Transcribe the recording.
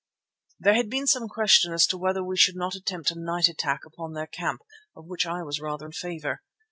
There had been some question as to whether we should not attempt a night attack upon their camp, of which I was rather in favour.